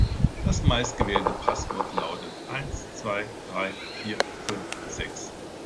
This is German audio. Das meistgewählte Passwort lautet eins zwei drei vier fünf sechs.